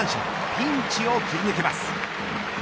ピンチを切り抜けます。